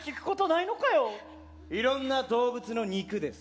いろんな動物の肉です。